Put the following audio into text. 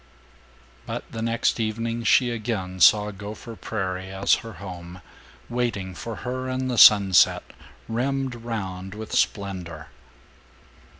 But the next evening she again saw Gopher Prairie as her home, waiting for her in the sunset, rimmed round with splendor.